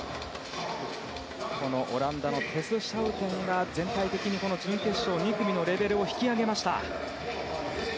オランダのテス・シャウテンが全体的に準決勝２組のレベルを引き上げました。